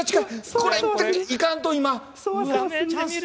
これ、行かんと今。